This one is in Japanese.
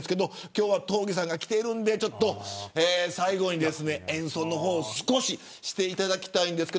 今日は東儀さんが来ているので最後に演奏を少ししていただきたいです。